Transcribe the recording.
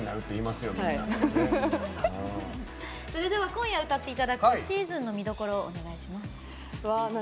それでは今夜、歌っていただく「Ｓｅａｓｏｎ」の見どころをお願いします。